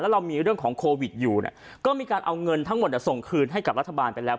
เรามีเรื่องของโควิดอยู่เนี่ยก็มีการเอาเงินทั้งหมดส่งคืนให้กับรัฐบาลไปแล้ว